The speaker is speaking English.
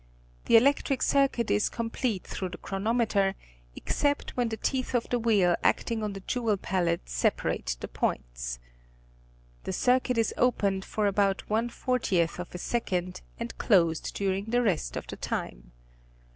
The electric circuit is complete through the chronometer except when the teeth of the wheel acting on the jewel pallet separate the points. The circuit is opened for about one fortieth of a second and closed during the rest of the time.